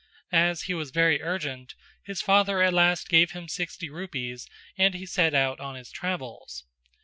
As he was very urgent his father at last gave him sixty rupees and he set out on his travels.